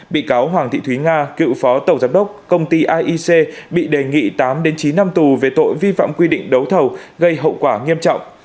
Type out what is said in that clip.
bị cáo hoàng thị thúy nga cựu phó tổng giám đốc công ty aic bị đề nghị tám chín năm tù về tội vi phạm quy định đấu thầu gây hậu quả nghiêm trọng